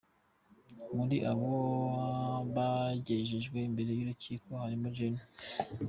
Muri abo bagejejwe imbere y’urukiko harimo Gen.